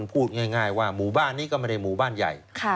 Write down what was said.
พูดง่ายว่าหมู่บ้านนี้ก็ไม่ได้หมู่บ้านใหญ่